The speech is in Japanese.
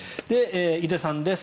井手さんです。